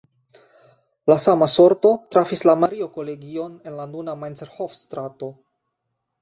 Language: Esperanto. La sama sorto trafis la Mario-Kolegion en la nuna Mainzerhof-strato.